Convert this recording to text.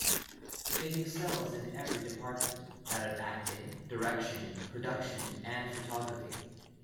It excels in every department - that of acting, direction, production and photography.